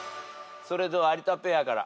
それでは有田ペアから。